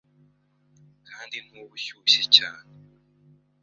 kandi ntuba ushyushye cyane,